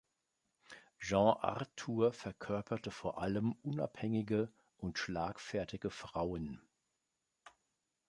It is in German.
Jean Arthur verkörperte vor allem unabhängige und schlagfertige Frauen.